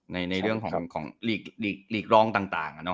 ในเรื่องของหลีกร้องต่าง